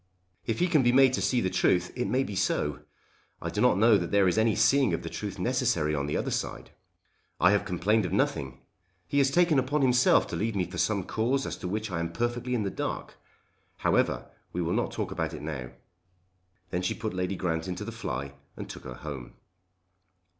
"If he can be made to see the truth, it may be so. I do not know that there is any seeing of the truth necessary on the other side. I have complained of nothing. He has taken upon himself to leave me for some cause as to which I am perfectly in the dark. However we will not talk about it now." Then she put Lady Grant into the fly and took her home.